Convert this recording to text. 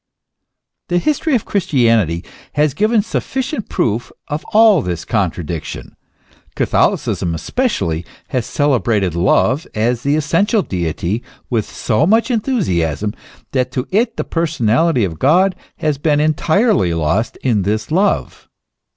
The history of Christianity has given sufficient proof of this contradiction. Catholicism, especially, has celebrated Love as the essential deity with so much enthusiasm, that to it the personality of God has been entirely lost in this love.